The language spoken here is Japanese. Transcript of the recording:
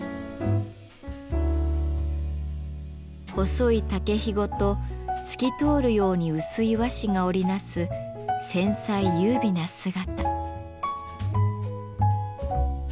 細い竹ひごと透き通るように薄い和紙が織り成す繊細優美な姿。